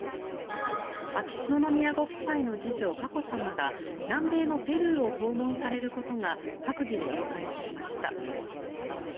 秋篠宮ご夫妻の次女・佳子さまが南米のペルーを訪問されることが閣議で了解されました。